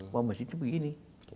bahwa masjid ini begini